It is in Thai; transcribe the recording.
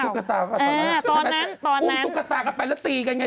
ไม่ถูกกันหรือเปล่าตุ๊กตาหรือเปล่าตอนนั้นตอนนั้นตุ๊กตากันไปแล้วตีกันไง